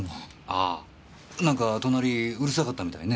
ああなんか隣うるさかったみたいね。